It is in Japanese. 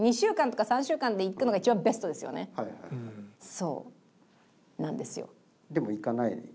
そうなんですよ。